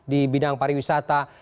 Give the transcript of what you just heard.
di bidang pariwisata